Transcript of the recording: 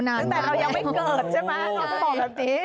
ตั้งแต่เรายังไม่เกิดใช่ไหมเราก็บอกแบบนี้